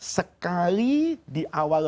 sekali di awal